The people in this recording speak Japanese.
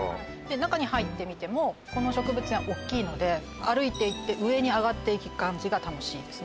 中に入ってみてもこの植物園大きいので歩いていって上に上がっていく感じが楽しいですね